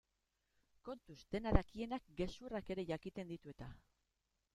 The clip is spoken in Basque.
Kontuz, dena dakienak gezurrak ere jakiten ditu eta?